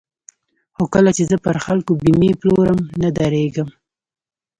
خو کله چې زه پر خلکو بېمې پلورم نه درېږم.